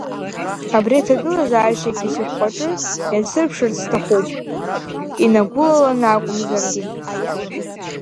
Абри аҭагылазаашьагьы сышәҟәаҿы иансырԥшырц сҭахуп, инагәылаланы акәымзаргьы.